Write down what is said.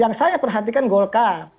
yang saya perhatikan golkar